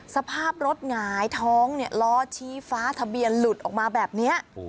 สภาพรถหงายท้องล้อชี้ฟ้าทะเบียนหลุดออกมาแบบนี้